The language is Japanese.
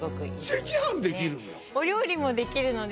赤飯できるんだ！